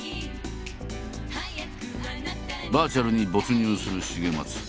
バーチャルに没入する重松。